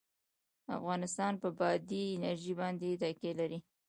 افغانستان په بادي انرژي باندې تکیه لري.